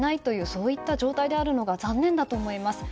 そういった状態であるのが残念だと思います。